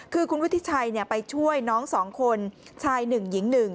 คือคุณวุฒิชัยไปช่วยน้องสองคนชายหนึ่งหญิงหนึ่ง